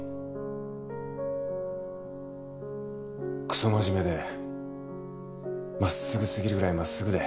くそ真面目で真っすぐ過ぎるぐらい真っすぐで。